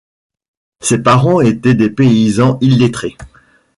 Ses parents étaient des paysans illettrés.